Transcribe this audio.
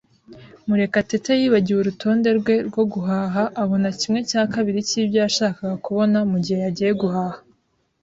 Murekatete yibagiwe urutonde rwe rwo guhaha abona kimwe cya kabiri cyibyo yashakaga kubona mugihe yagiye guhaha.